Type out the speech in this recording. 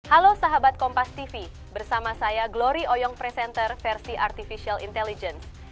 halo sahabat kompas tv bersama saya glory oyong presenter versi artificial intelligence